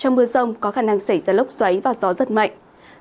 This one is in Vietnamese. trong mưa rông có khả năng xảy ra lốc xoáy và gió rất mạnh